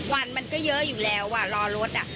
วันมันก็เยอะอยู่แล้วรอรถ